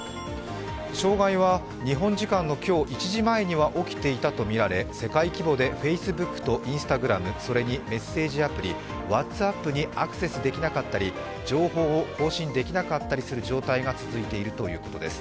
障害は日本時間の今日１時前には起きていたとみられ、世界規模でＦａｃｅｂｏｏｋとＩｎｓｔａｇｒａｍ、それにメッセージアプリ、ＷｈａｔｓＡｐｐにアクセスできなかったり情報を更新できなかったりする状態が続いているということです。